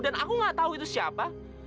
aku gak tahu itu siapa